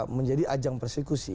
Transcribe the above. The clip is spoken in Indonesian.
menjadi ajang persekusi